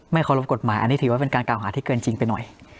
เคารพกฎหมายอันนี้ถือว่าเป็นการกล่าวหาที่เกินจริงไปหน่อย